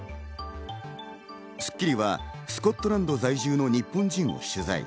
『スッキリ』はスコットランド在住の日本人を取材。